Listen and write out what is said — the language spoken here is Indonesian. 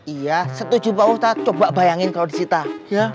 iya setuju pak ustadz coba bayangin kalo disita ya